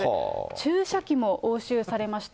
注射器も押収されました。